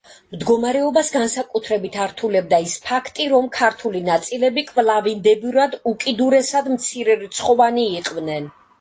მდგომარეობას განსაკუთრებით ართულებდა ის ფაქტი, რომ ქართული ნაწილები კვლავინდებურად უკიდურესად მცირერიცხოვანი იყვნენ.